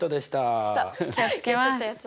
気を付けます。